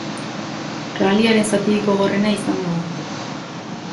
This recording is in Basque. Ralliaren zatirik gogorrena izango da.